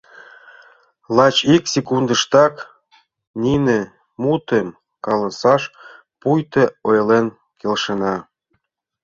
Лач ик секундыштак нине мутым каласаш пуйто ойлен келшенна.